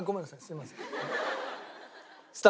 すいません。